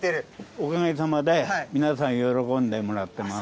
おかげさまで、皆さん、喜んでもらってます。